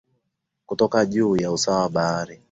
kutoka juu ya usawa wa bahari